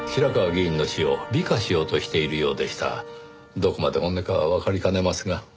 どこまで本音かはわかりかねますが。